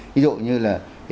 ví dụ như là